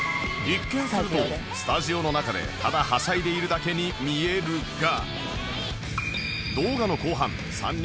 一見するとスタジオの中でただはしゃいでいるだけに見えるが